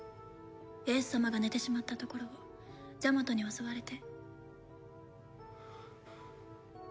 英寿様が寝てしまったところをジャマトに襲われて。